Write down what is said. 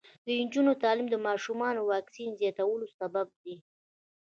د نجونو تعلیم د ماشومانو واکسین زیاتولو سبب دی.